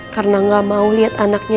karena gak mau liat anaknya